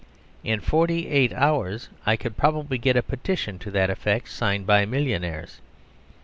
In forty eight hours I could probably get a petition to that effect signed by millionaires.